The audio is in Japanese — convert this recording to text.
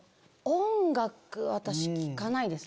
音楽私聴かないですね。